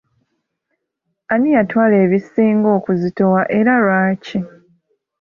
Ani yatwala ebisinga okuzitowa era lwaki?